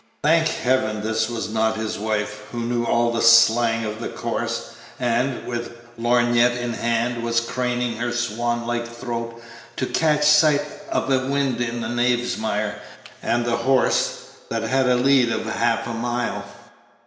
Thank Heaven, this was not his wife, who knew all the slang of the course, and, with lorgnette in hand, was craning her swan like throat to catch sight of a wind in the Knavesmire and the horse that had a lead of half a mile.